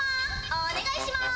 お願いします。